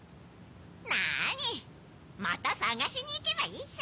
なにまたさがしにいけばいいさ。